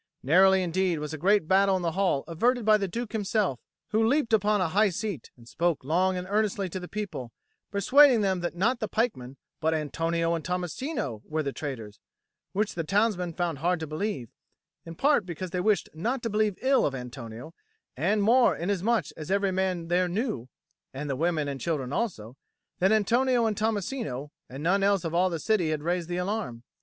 Narrowly indeed was a great battle in the hall averted by the Duke himself, who leapt upon a high seat and spoke long and earnestly to the people, persuading them that not the pikemen, but Antonio and Tommasino, were the traitors; which the townsmen found hard to believe, in part because they wished not to believe ill of Antonio, and more inasmuch as every man there knew and the women and children also that Antonio and Tommasino, and none else of all the city had raised the alarm.